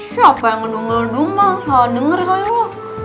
siapa yang ngadung ngelundung mah salah dengerin lo yaa